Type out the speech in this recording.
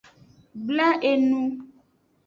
Bla enu.